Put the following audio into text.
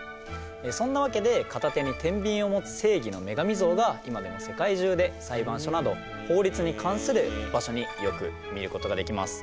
そんなわけで片手に天秤を持つ正義の女神像が今でも世界中で裁判所など法律に関する場所によく見ることができます。